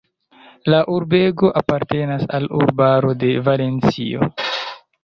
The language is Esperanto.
La urbego apartenas al urbaro de Valencio.